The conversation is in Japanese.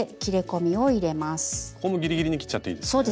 ここもギリギリに切っちゃっていいんですね。